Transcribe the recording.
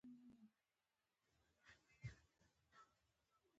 کښېنه تاغاره